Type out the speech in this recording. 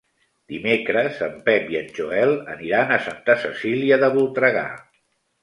Dimecres en Pep i en Joel aniran a Santa Cecília de Voltregà.